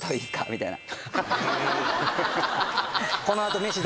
みたいな。